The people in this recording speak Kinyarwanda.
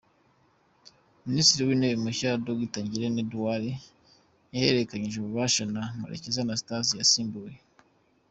Minisitiri w’Intebe mushya, Dr Ngirente Edouard, yahererekanyije ububasha na Murekezi Anastase yasimbuye.